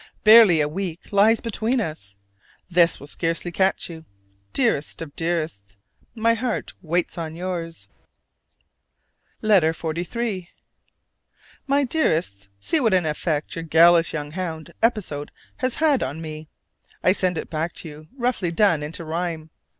Barely a week lies between us: this will scarcely catch you. Dearest of dearests, my heart waits on yours. LETTER XLIII. My Dearest: See what an effect your "gallous young hound" episode has had on me. I send it back to you roughly done into rhyme.